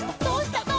どうした？